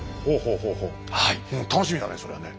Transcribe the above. うん楽しみだね